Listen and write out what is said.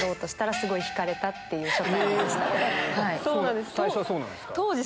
そうなんです。